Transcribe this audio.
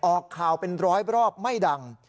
ออกข่าวเป็นร้อยรอบไม่ดัง